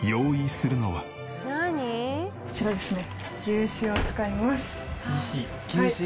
こちらですね。